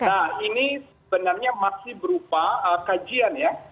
nah ini sebenarnya masih berupa kajian ya